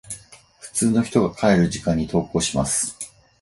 普通の人が帰る時間に登校します。